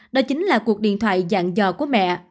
đó chính là cuộc điện thoại dạng dò của mẹ